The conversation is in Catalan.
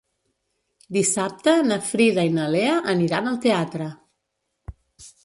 Dissabte na Frida i na Lea aniran al teatre.